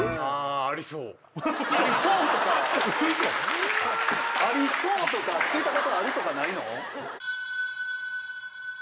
「ありそう」とか「ありそう」とか「聞いたことある」とかないの？